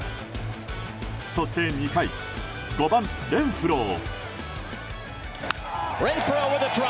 そして２回、５番、レンフロー。